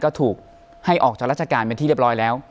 ออกจากราชการเป็นที่เรียบร้อยแล้ว